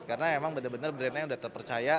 karena memang benar benar brandnya sudah terpercaya